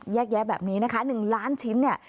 แยะแบบนี้นะคะ๑ล้านชิ้นเนี่ย